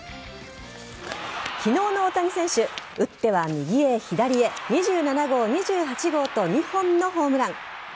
昨日の大谷選手打っては右へ左へ２７号、２８号と２本のホームラン。